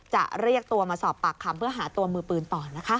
จะเรียกตัวมาสอบปากคำเพื่อหาตัวมือปืนต่อนะคะ